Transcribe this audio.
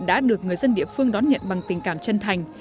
đã được người dân địa phương đón nhận bằng tình cảm chân thành